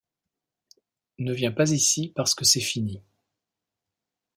Ne viens pas ici parce que c'est fini.